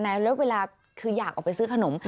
แล้วเวลาคืออยากออกไปซื้อขนม